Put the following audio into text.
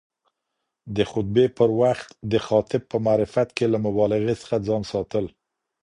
د خطبې پر وخت د خاطب په معرفت کي له مبالغې څخه ځان ساتل